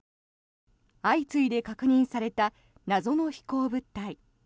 相次いで確認された謎の飛行物体。